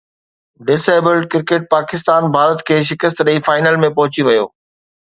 dis abled cricket Pakistan Bharat کي شڪست ڏئي فائنل ۾ پهچي ويو